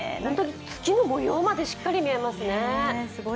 月の模様まで、しっかりと見えますね。